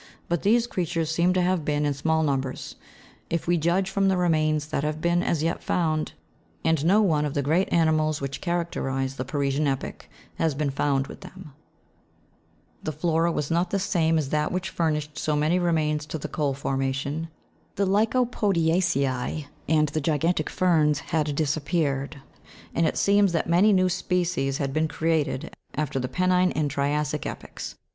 But these creatures seem to have been in small numbers, if w r e judge from the few remains that have been as yet found, and no one of the great animals which characterize the parisian epoch has been found with them. CKETA'CEOUS EPOCH. HMJ The flora was not the same as that which furnished so many remains to the coal formation ; the lycopodia'ceae, and the gigantic ferns had disappeared ; and it seems that many new species had been created after the penine and tria'ssic epochs.